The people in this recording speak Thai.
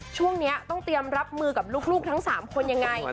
ช่วงนี้ต้องเตรียมรับมือกับลูกทั้ง๓คนยังไง